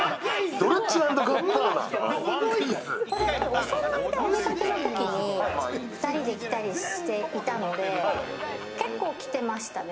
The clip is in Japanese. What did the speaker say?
おそろいでお出かけのときに２人で着たりしてたので結構着てましたね。